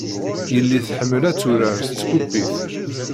Yelli tḥemmel ad turar s tpupit.